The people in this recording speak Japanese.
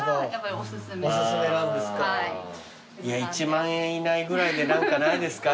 １万円以内ぐらいで何かないですか？